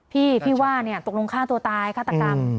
พี่ที่ว่าตกลงฆ่าตัวตายฆาตกรรม